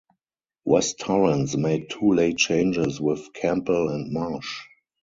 West Torrens made two late changes with Campbell and Marsh.